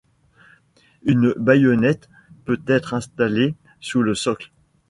Une baïonnette peut être installée sous le socle.